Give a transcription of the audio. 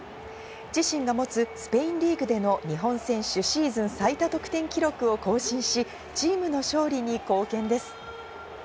自身が持つスペインリーグでの日本選手シーズン最多得点記録を更新し、チームの勝利に貢献です。